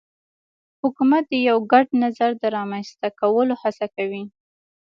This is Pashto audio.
حکومت د یو ګډ نظر د رامنځته کولو هڅه کوي